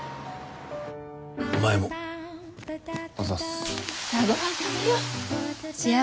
お前もあざす